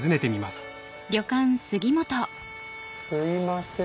すいません。